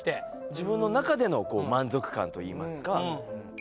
自分の中での満足感といいますか。